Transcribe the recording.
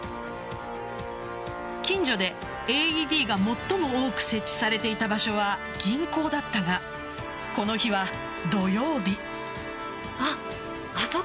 近所で、ＡＥＤが最も多く設置されていた場所は銀行だったがこの日は土曜日。